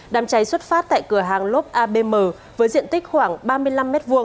đám cháy xuất phát tại cửa hàng lốp abm với diện tích khoảng ba mươi năm m hai